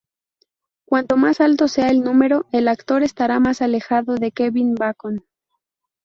Cuanto más alto sea el número, el actor estará más alejado de Kevin Bacon.